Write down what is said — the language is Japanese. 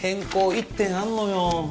１点あんのよ